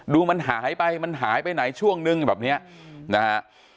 ดูมันหายไปมันหายไปไหนช่วงนึงแบบเนี้ยนะฮะ